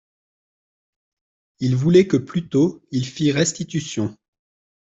Ils voulaient que plutôt il fit restitution.